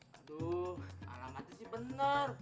aduh alam hati sih bener